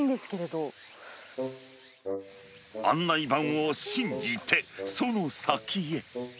案内板を信じて、その先へ。